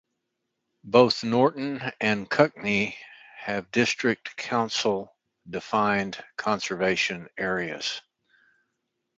Both Norton and Cuckney have district council defined conservation areas.